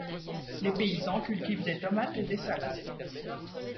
Les paysans cultivent des tomates et des salades.